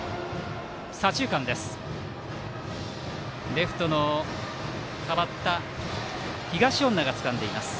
レフトの代わった東恩納がつかんでいます。